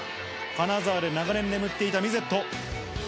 金沢で長年眠っていたミゼット。